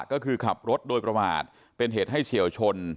ก็คือขับรถโดยประมาทเป็นเหตุให้เฉียวชน